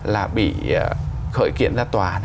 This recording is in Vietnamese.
là bị khởi kiện ra tòa